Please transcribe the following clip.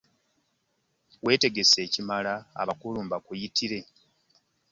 Weetegese ekimala abakulu mbakuyitire?